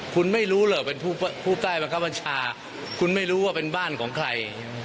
คุณไม่รู้หรอกเป็นผู้ผู้ใต้ประชาคุณไม่รู้ว่าเป็นบ้านของใคร